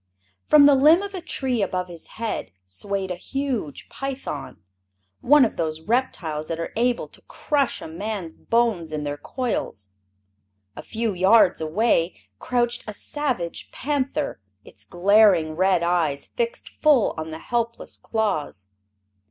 From the limb of a tree above his head swayed a huge python, one of those reptiles that are able to crush a man's bones in their coils. A few yards away crouched a savage panther, its glaring red eyes fixed full on the helpless Claus.